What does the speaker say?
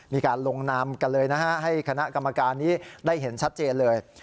มีการลงนามกันเลยนะฮะให้คณะกรรมการนี้ได้เห็นชัดเจนเลย